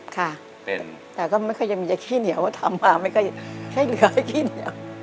ค่ะแต่ก็ไม่เคยมีใจขี้เหนียวเพราะทำมาไม่เคยให้เหลือให้ขี้เหนียว